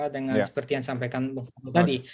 dengan seperti yang disampaikan tadi